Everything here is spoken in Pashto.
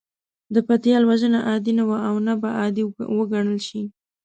د پتيال وژنه عادي نه وه او نه به عادي وګڼل شي.